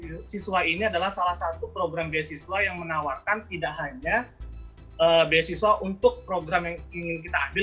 mahasiswa ini adalah salah satu program beasiswa yang menawarkan tidak hanya beasiswa untuk program yang ingin kita ambil